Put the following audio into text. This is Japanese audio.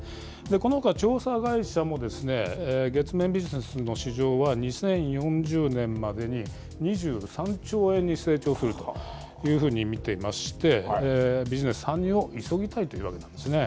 このほか調査会社も、月面ビジネスの市場は２０４０年までに、２３兆円に成長するというふうに見ていまして、ビジネス参入を急ぎたいというわけなんですね。